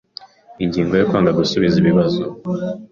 Ingingo ya Kwanga gusubiza ibibazo